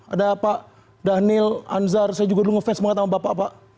ada pak dhanil anzar saya juga dulu ngefans banget sama bapak pak